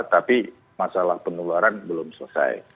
tapi masalah penularan belum selesai